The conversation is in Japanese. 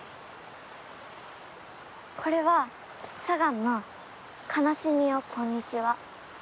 これはサガンの「悲しみよこんにちは」。